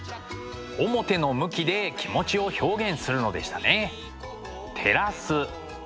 面の向きで気持ちを表現するのでしたね。